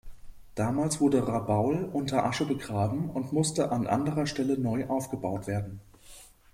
Damals wurde Rabaul unter Asche begraben und musste an anderer Stelle neu aufgebaut werden.